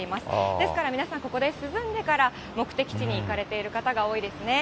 ですから、皆さん、ここで涼んでから目的地に行かれている方が多いですね。